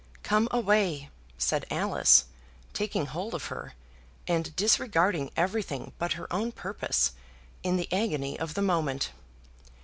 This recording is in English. "Come away," said Alice, taking hold of her, and disregarding everything but her own purpose, in the agony of the moment.